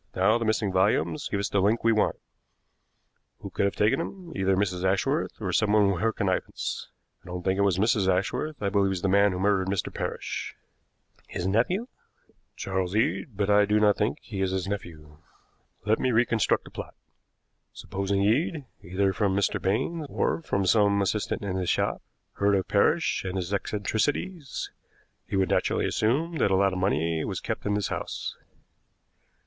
Now the missing volumes give us the link we want. Who could have taken them? Either Mrs. Ashworth, or someone with her connivance. I don't think it was Mrs. Ashworth. I believe it was the man who murdered Mr. Parrish." "His nephew?" "Charles Eade; but I do not think he is his nephew. Let me reconstruct the plot. Supposing Eade, either from Mr. Baines or from some assistant in his shop, heard of Parrish and his eccentricities, he would naturally assume that a lot of money was kept in this house.